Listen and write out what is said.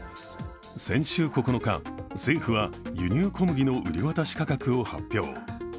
先週９日、政府は輸入小麦の売り渡し価格を発表。